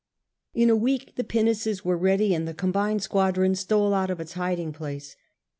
In a week the pinnaces were ready, and the com bined squadron stole out of its hiding place.